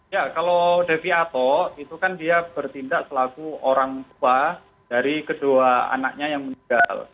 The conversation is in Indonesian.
ya kalau devi ato itu kan dia bertindak selaku orang tua dari kedua anaknya yang meninggal